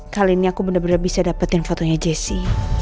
kali ini aku bener bener bisa dapetin fotonya jessy